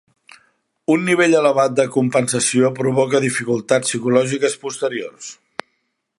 Un nivell elevat de compensació provoca dificultats psicològiques posteriors.